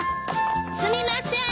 すみませーん！